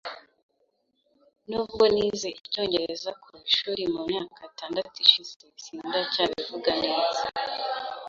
Nubwo nize icyongereza ku ishuri mu myaka itandatu ishize, sindacyabivuga neza.